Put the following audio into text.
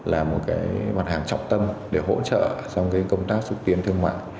là một cái mặt hàng trọng tâm để hỗ trợ trong công tác xúc tiến thương mại